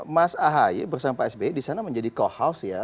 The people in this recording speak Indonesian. mas ahaye bersama pak sby disana menjadi co house ya